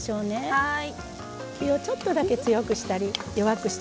はい。